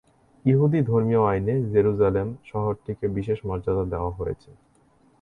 ইহুদি ধর্মীয় আইনে জেরুসালেম শহরটিকে বিশেষ মর্যাদা দেওয়া হয়েছে।